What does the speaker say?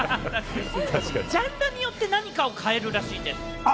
ジャンルによって何かを変えるらしいです。